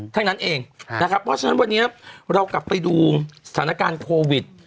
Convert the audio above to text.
เท่านั้นเองนะครับเพราะฉะนั้นวันนี้เรากลับไปดูสถานการณ์โควิด